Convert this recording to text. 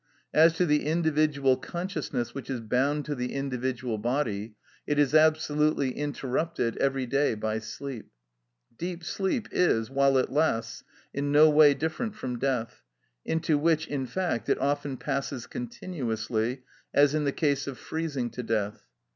As to the individual consciousness which is bound to the individual body, it is absolutely interrupted every day by sleep. Deep sleep is, while it lasts, in no way different from death, into which, in fact, it often passes continuously, as in the case of freezing to death.